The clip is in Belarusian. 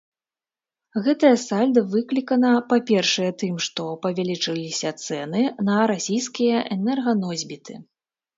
Гэтае сальда выклікана, па-першае, тым, што павялічыліся цэны на расійскія энерганосьбіты.